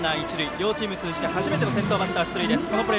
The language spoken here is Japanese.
両チーム通じて初めての先頭バッター出塁。